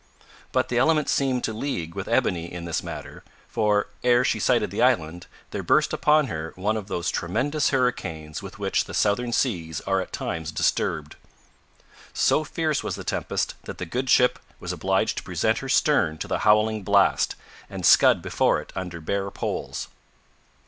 But the elements seemed to league with Ebony in this matter, for, ere she sighted the island, there burst upon her one of those tremendous hurricanes with which the southern seas are at times disturbed. So fierce was the tempest that the good ship was obliged to present her stern to the howling blast, and scud before it under bare poles.